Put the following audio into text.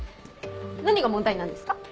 何が問題なんですか？